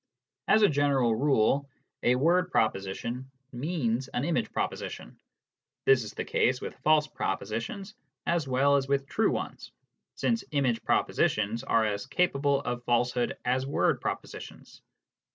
As a general rule, a word proposition " means " an image proposition; this is the case with false propositions as well as with true ones, since image propositions are as capable of falsehood as word propositions.